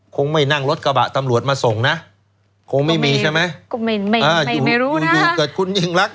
คงไม่นั่งรถกระบะตำรวจมาส่งนะไม่รู้นะครับ